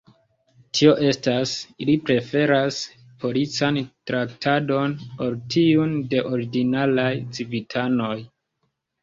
Tio estas, ili preferas polican traktadon ol tiun de ordinaraj civitanoj.